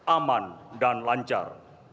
aman dan lancar